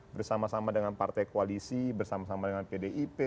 bersama sama dengan partai koalisi bersama sama dengan pdip